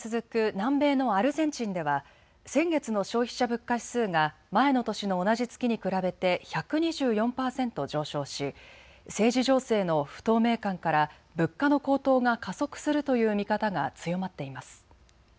南米のアルゼンチンでは先月の消費者物価指数が前の年の同じ月に比べて１２４％上昇し政治情勢の不透明感から物価の高騰が加速するという見方が強まっています。